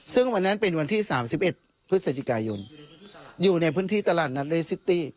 ซึ่งวันนั้นเป็นวันที่๓๑พฤศจิกายนอยู่ในพื้นที่ตลาดนัดเรซิตี้